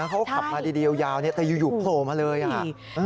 ใช่เขาก็ขับมาเดี๋ยวยาวเนี้ยแต่อยู่โผล่มาเลยอ่ะอืม